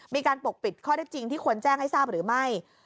ปกปิดข้อได้จริงที่ควรแจ้งให้ทราบหรือไม่